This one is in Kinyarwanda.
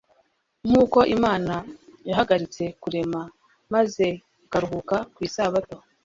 Nk'uko Imana yahagaritse kurema maze ikaruhuka ku isabato,